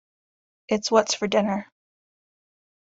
It's What's For Dinner.